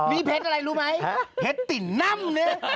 มีเผ็ดอะไรรู้มั้ยเผ็ดติดน้ำ